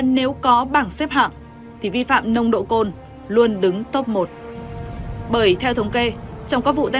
nếu có bảng xếp hạng thì vi phạm nông độ côn luôn đứng top một bởi theo thống kê trong các vụ tai